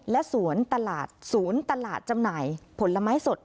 และสวนตลาดศูนย์ตลาดจำหน่ายผลไม้สด